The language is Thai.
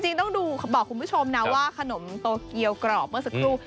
ต้องดูบอกคุณผู้ชมนะว่าขนมโตเกียวกรอบเมื่อสักครู่